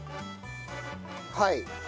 はい。